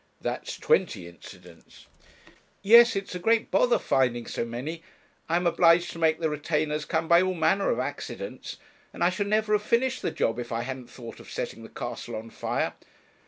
'That's twenty incidents.' 'Yes it's a great bother finding so many. I'm obliged to make the retainers come by all manner of accidents; and I should never have finished the job if I hadn't thought of setting the castle on fire.